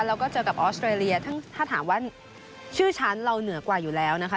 แล้วก็เจอกับออสเตรเลียถ้าถามว่าชื่อฉันเราเหนือกว่าอยู่แล้วนะคะ